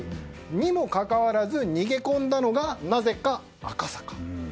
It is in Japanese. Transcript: にもかかわらず逃げ込んだのがなぜか赤坂。